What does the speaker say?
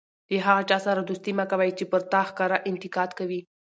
له هغه چا سره دوستي مه کوئ! چي پر تا ښکاره انتقاد کوي.